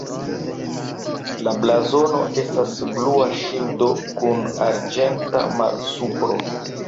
La blazono estas blua ŝildo kun arĝenta malsupro.